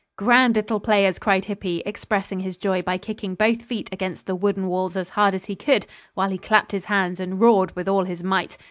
"Grand little players!" cried Hippy, expressing his joy by kicking both feet against the wooden walls as hard as he could, while he clapped his hands and roared with all his might.